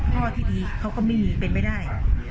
พ่อที่ดีเขาก็ไม่มีเป็นไม่ได้